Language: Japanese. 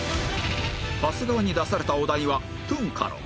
長谷川に出されたお題はトゥンカロン